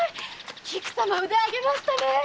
菊様腕を上げましたねぇ！